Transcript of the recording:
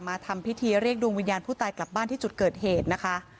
ทำพิธีเรียกดวงวิญญาณผู้ตายกลับบ้านที่จุดเกิดเหตุนะคะ